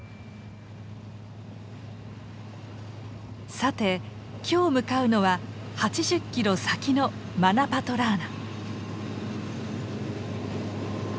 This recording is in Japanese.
さて今日向かうのは８０キロ先のマナパトラーナ。